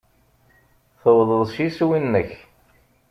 Tuwḍeḍ s iswi-nnek.